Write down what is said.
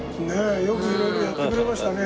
よく色々やってくれましたね。